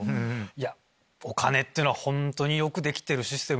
いやお金っていうのは本当によくできてるシステムで。